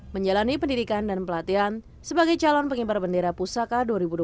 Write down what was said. menjalani pendidikan dan pelatihan sebagai calon pengibar bendera pusaka dua ribu dua puluh